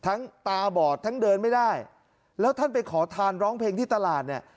ตาบอดทั้งเดินไม่ได้แล้วท่านไปขอทานร้องเพลงที่ตลาดเนี่ย